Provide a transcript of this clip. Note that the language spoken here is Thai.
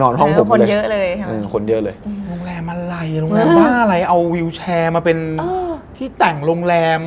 โรงแรมอะไรเอาวิวแชร์มาเป็นที่แต่งโรงแรม